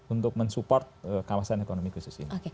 untuk mensupport kawasan ekonomi khusus ini